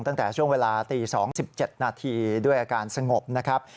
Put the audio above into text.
ตั้งแต่ช่วงเวลาตี๒๗นาทีด้วยอาการสงบนะครับ